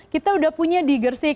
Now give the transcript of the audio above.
kita udah punya digersih